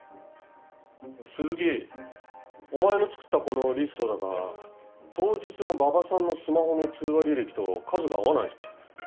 鈴木お前の作ったこのリストだが当日の馬場さんのスマホの通話履歴と数が合わないぞ。